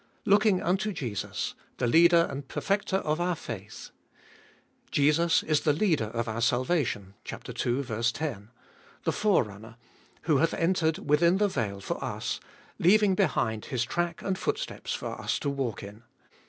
Looking unto Jesus, the Leader and Perfecter of our faith. Jesus is the Leader of our salvation (ii. 10), the Forerunner, who hath entered within the veil for us, leaving behind His track and footsteps for us to walk in.